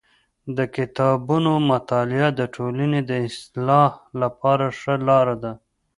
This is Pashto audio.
د کتابونو مطالعه د ټولني د اصلاح لپاره ښه لار ده.